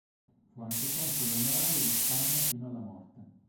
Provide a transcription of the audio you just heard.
Fu anche console onorario di Spagna fino alla morte.